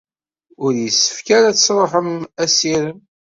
Ur yessefk ara ad tesṛuḥem assirem.